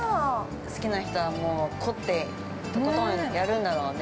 ◆好きな人は、もう凝ってとことんやるんだろうね。